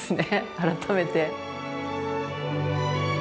改めて。